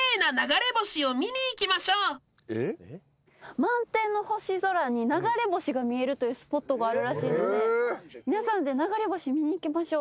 満天の星空に流れ星が見えるというスポットがあるらしいので皆さんで流れ星見に行きましょう。